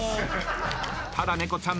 ただ猫ちゃん。